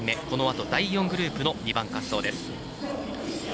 このあと第４グループの２番滑走。